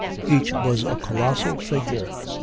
Each was a colossal figure.